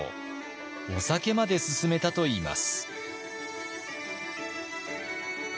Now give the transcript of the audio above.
お酒まで勧めたといいます。